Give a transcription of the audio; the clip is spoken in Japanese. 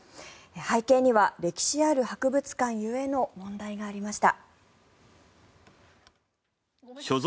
背景には歴史ある博物館故の問題がありました。